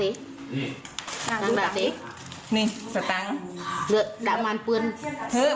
เหลือดามานเปื้นน่ะ